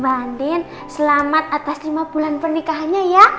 mbak andin selamat atas lima bulan pernikahannya ya